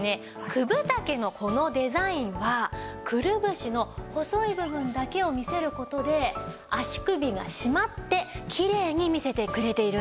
９分丈のこのデザインはくるぶしの細い部分だけを見せる事で足首がしまってきれいに見せてくれているんです。